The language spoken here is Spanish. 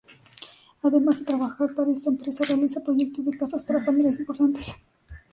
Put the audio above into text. Además de trabajar para esta empresa, realiza proyectos de casas para familias importantes.